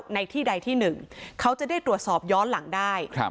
ในที่ใดที่หนึ่งเขาจะได้ตรวจสอบย้อนหลังได้